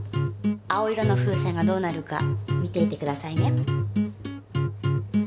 青色の風船がどうなるか見ていてくださいね。